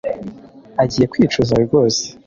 Agiye kwicuza rwose